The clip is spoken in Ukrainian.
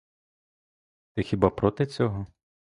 Ти хіба проти цього?